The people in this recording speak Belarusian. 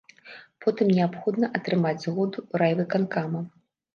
Потым неабходна атрымаць згоду райвыканкама.